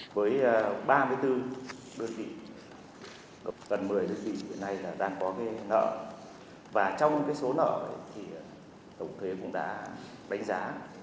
với ba mươi bốn đơn vị gặp gần một mươi đơn vị này đang có nợ và trong số nợ thì tổng thuế cũng đã đánh giá